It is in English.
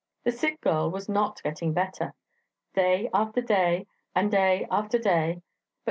The sick girl was not getting better... Day after day, and day after day ... but